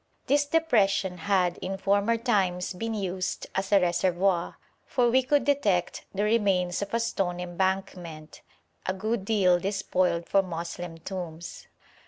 This depression had in former times been used as a reservoir, for we could detect the remains of a stone embankment, a good deal despoiled for Moslem tombs.